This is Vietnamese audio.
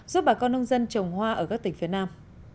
giúp bà con nông dân trồng hoa ở các tỉnh phía nam